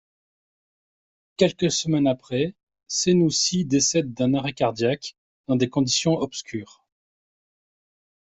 Quelques semaines après, Senoussi décède d'un arrêt cardiaque dans des conditions obscures.